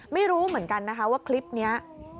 ไม่รู้เหมือนกันนะคะว่าคลิปนี้